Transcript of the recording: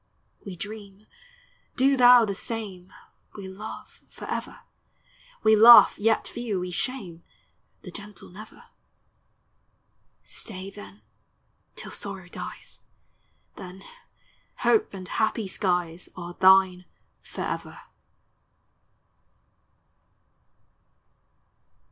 We dream: do thou the same; We love, — forever; We laugh, yet few we shame, — The gentle never. Stay, then, till sorrow dies; Then — hope and happy skies Are thine forever!